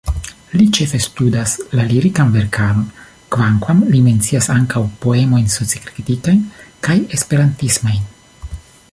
Li ĉefe studas la lirikan verkaron, kvankam li mencias ankaŭ poemojn socikritikajn kaj esperantismajn.